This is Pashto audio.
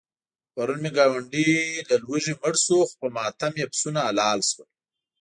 پرون مې ګاونډی له لوږې مړ شو، خو په ماتم یې پسونه حلال شول.